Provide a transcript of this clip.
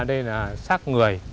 đây là sát người